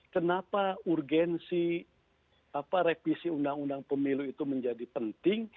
kenapa urgensi revisi undang undang pemilu itu menjadi penting